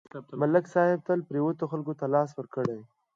ملک صاحب تل پرېوتو خلکو ته لاس ورکړی